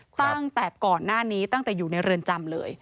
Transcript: ตั้งแต่ก่อนหน้านี้ตั้งแต่อยู่ในเรือนจำเลย